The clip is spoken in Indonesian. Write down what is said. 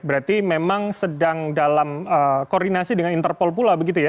berarti memang sedang dalam koordinasi dengan interpol pula begitu ya